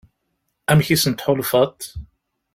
Amek i asen-tḥulfaḍ?